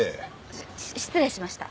し失礼しました。